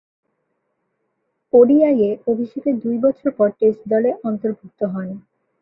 ওডিআইয়ে অভিষেকের দুই বছর পর টেস্ট দলে অন্তর্ভুক্ত হন।